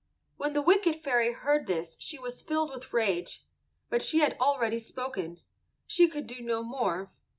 When the wicked fairy heard this she was filled with rage, but she had already spoken; she could do no more.